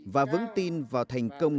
và vững tin vào thành công